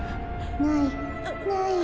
「ないない」。